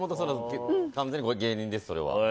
完全に芸人です、それは。